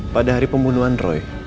pada hari pembunuhan roy